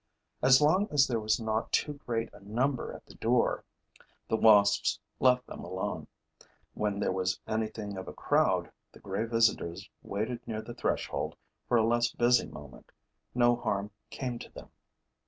As long as there was not too great a number at the door, the wasps left them alone. When there was anything of a crowd, the gray visitors waited near the threshold for a less busy moment. No harm came to them.